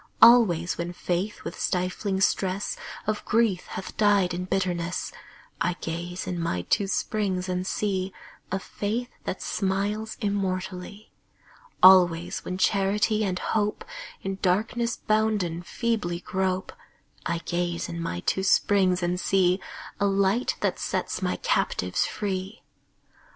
Always when Faith with stifling stress Of grief hath died in bitterness, I gaze in my two springs and see A Faith that smiles immortally. Always when Charity and Hope, In darkness bounden, feebly grope, I gaze in my two springs and see A Light that sets my captives free.